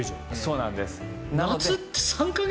そうなんです。